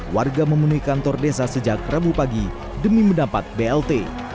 warga memenuhi kantor desa sejak rabu pagi demi mendapat blt